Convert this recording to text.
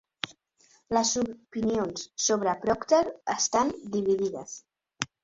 Les opinions sobre Procter estan dividides.